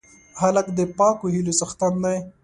هلک د پاکو هیلو څښتن دی.